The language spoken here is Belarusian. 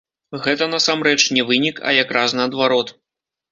Гэта, насамрэч, не вынік, а якраз наадварот.